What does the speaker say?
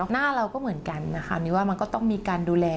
หน้าเราก็เหมือนกันนะคะมีว่ามันก็ต้องมีการดูแล